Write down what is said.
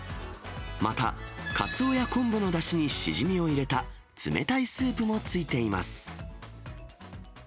また、かつおや昆布のだしにシジミを入れた冷たいスープも付いています。